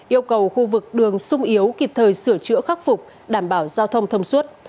yêu cầu khu vực đường sung yếu kịp thời sửa chữa khắc phục đảm bảo giao thông thông suốt